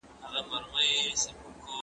هغې د ریو دې جنیرو یوه درملتون ته لاړه.